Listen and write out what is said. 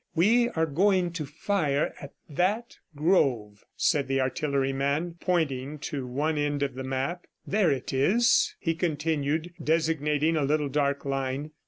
"We are going to fire at that grove," said the artilleryman, pointing to one end of the map. "There it is," he continued, designating a little dark line.